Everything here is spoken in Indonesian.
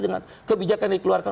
dengan kebijakan yang dikeluarkan